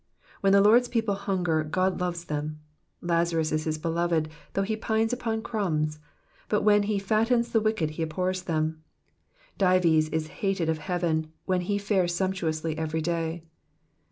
When the Lord's people hunger God loves them ; Lnzarus is his beloved, though he pines upon crumbs ; but when he fattens the wicked he abhors them ; Dives is hated of heaven when he fares sumptuously every day.